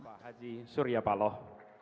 pak haji surya paloh